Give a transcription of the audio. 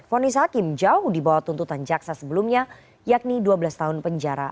fonis hakim jauh di bawah tuntutan jaksa sebelumnya yakni dua belas tahun penjara